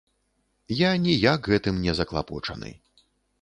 Я ніяк гэтым не заклапочаны.